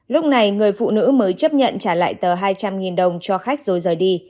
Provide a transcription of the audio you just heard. lúc này người phụ nữ mới chấp nhận trả lại tờ hai trăm linh đồng cho khách rồi rời đi